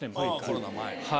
コロナ前。